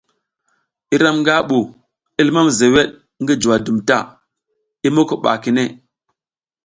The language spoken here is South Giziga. Iram nga bu, i limam zewed ngi juwa dum ta, i moko ba kine.